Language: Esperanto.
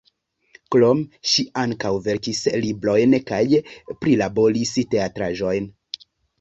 Krome ŝi ankaŭ verkis librojn kaj prilaboris teatraĵojn.